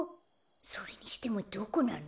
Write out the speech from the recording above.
それにしてもどこなの？